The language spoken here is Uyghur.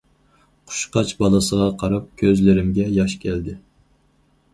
قۇشقاچ بالىسىغا قاراپ كۆزلىرىمگە ياش كەلدى.